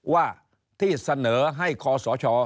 ว่าที่เสนอให้คอสช